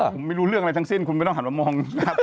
ผมไม่รู้เรื่องอะไรทั้งสิ้นคุณไม่ต้องหันมามอง